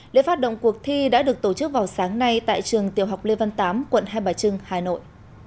lễ phát động cuộc thi đã được tổ chức vào sáng nay tại trường tiểu học lê văn tám quận hai bà trưng hà nội